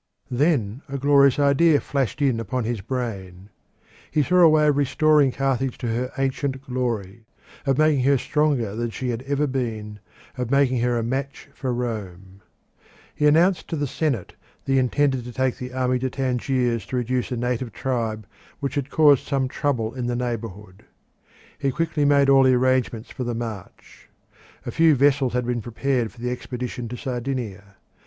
Then a glorious idea flashed in upon his brain. He saw a way of restoring Carthage to her ancient glory, of making her stronger than she had ever been, of making her a match for Rome. He announced to the senate that he intended to take the army to Tangiers to reduce a native tribe which had caused some trouble in the neighbourhood. He quickly made all arrangements for the march. A few vessels had been prepared for the expedition to Sardinia.